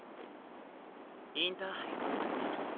インターハイは終わった。